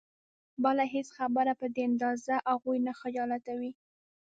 بله هېڅ خبره په دې اندازه هغوی نه خجالتوي.